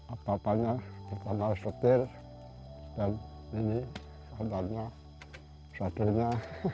apa apanya pertama setir dan ini antaranya satunya